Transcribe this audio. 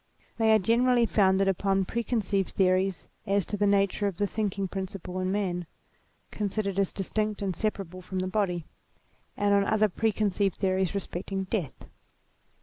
They are generally founded upon preconceived theories as to the nature of the thinking principle in man, considered as distinct and separable from the body, and on other preconceived theories respecting death.